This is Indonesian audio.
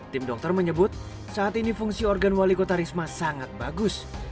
tim dokter menyebut saat ini fungsi organ wali kota risma sangat bagus